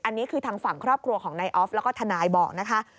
อันนี้คือทางฝั่งครอบครัวของนายออฟแล้วก็ทนายบอกนะคะ